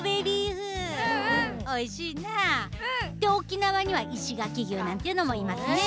沖縄には石垣牛なんていうのもいますね。